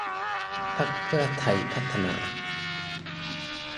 พรรคเพื่อไทยพัฒนา